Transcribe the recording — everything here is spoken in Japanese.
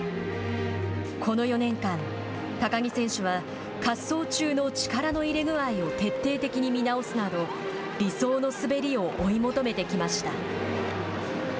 この４年間、高木選手は滑走中の力の入れ具合を徹底的に見直すなど理想の滑りを追い求めてきました。